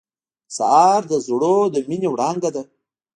سهار د زړونو د مینې وړانګه ده.